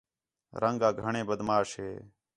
رنگ آ گھݨیں بد ماش ہِے